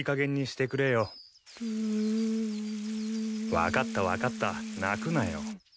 分かった分かった泣くなよ。